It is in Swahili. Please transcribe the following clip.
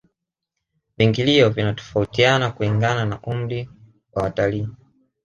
viingilio vinatofautia kulingana na umri wa watalii